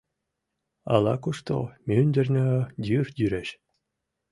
Ала-кушто, мӱндырнӧ, йӱр йӱреш.